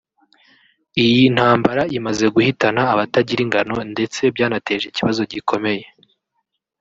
Iyi ntambara imaze guhitana abatagira ingano ndetse byanateje ikibazo gikomeye